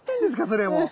それもう。